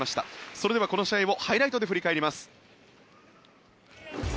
それではこの試合をハイライトで振り返ります。